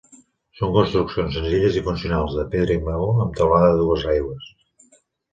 Són construccions senzilles i funcionals, de pedra i maó amb teulada a dues aigües.